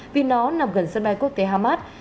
vì nó nằm gần sân bay quốc tế hamas